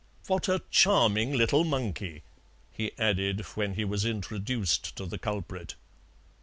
What a charming little monkey!" he added, when he was introduced to the culprit.